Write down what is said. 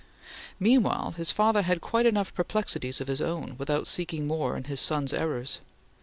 Meanwhile his father had quite enough perplexities of his own, without seeking more in his son's errors.